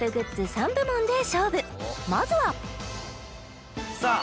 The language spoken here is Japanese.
３部門で勝負まずはさあ